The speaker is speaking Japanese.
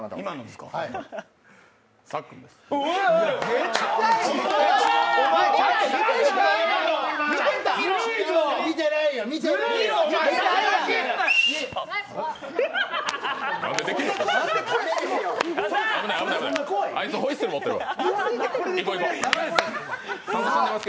危ない、危ない、あいつホイッスル持ってるわ。